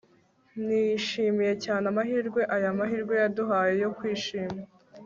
Nishimiye cyane amahirwe aya mahirwe yaduhaye yo kwishima